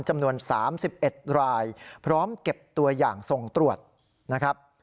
จำนวน๓๑รายพร้อมเก็บตัวอย่างส่งตรวจนะครับ